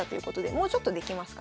もうちょっとできますかね。